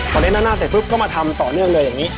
ขอเล่นหน้าแต่ปุ๊บก็ทำต่อเนื่องเลยอย่างนี้